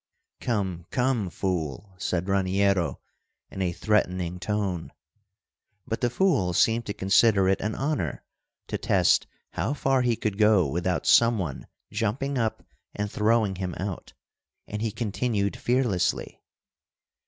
"Come, come, fool!" said Raniero in a threatening tone. But the fool seemed to consider it an honor to test how far he could go without some one jumping up and throwing him out, and he continued fearlessly.